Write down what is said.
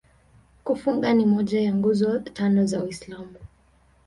Kufunga ni moja ya Nguzo Tano za Uislamu.